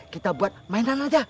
kita buat mainan aja